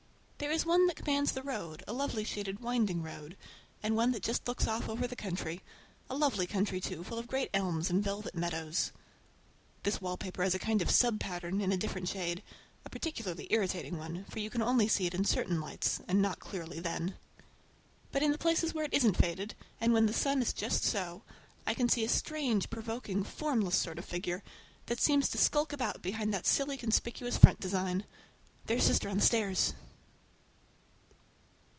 There is one that commands the road, a lovely, shaded, winding road, and one that just looks off over the country. A lovely country, too, full of great elms and velvet meadows. This wallpaper has a kind of sub pattern in a different shade, a particularly irritating one, for you can only see it in certain lights, and not clearly then. But in the places where it isn't faded, and where the sun is just so, I can see a strange, provoking, formless sort of figure, that seems to sulk about behind that silly and conspicuous front design. There's sister on the stairs!